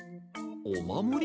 おまもり？